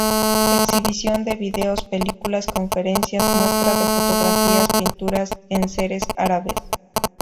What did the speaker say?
Exhibición de videos y películas, conferencias, muestra de fotografías, pinturas, enseres árabes.